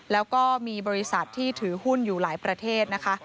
แล้วก็มีบริษัทที่ถือหุ้นอยู่หลายประเทศนะคะ